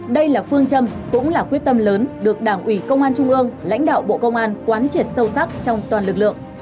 đây là phương châm cũng là quyết tâm lớn được đảng ủy công an trung ương lãnh đạo bộ công an quán triệt sâu sắc trong toàn lực lượng